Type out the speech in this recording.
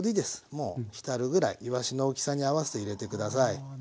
もう浸るぐらいいわしの大きさに合わせて入れて下さい。